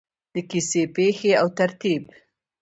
د کیسې پیښې او ترتیب: